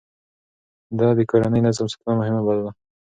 ده د کورني نظم ساتنه مهمه بلله.